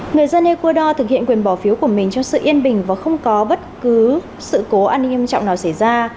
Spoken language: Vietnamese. người dân ecuador thực hiện quyền bỏ phiếu của mình cho sự yên bình và không có bất cứ sự cố an ninh nghiêm trọng nào xảy ra